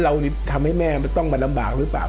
ทำให้แม่ต้องมาลำบากหรือเปล่า